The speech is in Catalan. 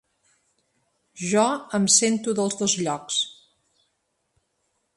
Jo em sento dels dos llocs.